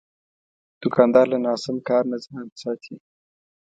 دوکاندار له ناسم کار نه ځان ساتي.